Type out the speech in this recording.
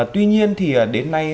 tuy nhiên thì đến nay